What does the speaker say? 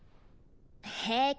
平気。